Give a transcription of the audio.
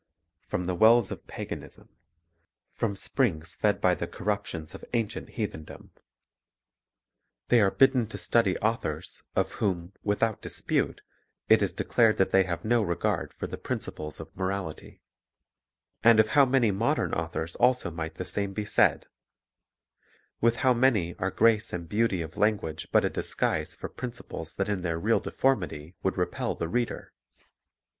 — From the wells of paganism; from springs fed by the cor ruptions of ancient heathendom. They are bidden to 1 2 Cor. io : 12; i Peter 4:11; Col. 3:23, 24. Education and Character 227 study authors, of whom, without dispute, it is declared that they have no regard for the principles of morality. And of how many modern authors also might the same be said ! With how many are grace and beauty of language but a disguise for principles that in their real deformity would repel the reader!